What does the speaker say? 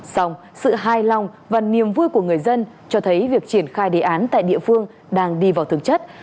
xong sự hài lòng và niềm vui của người dân cho thấy việc triển khai đề án tại địa phương đang đi vào thực chất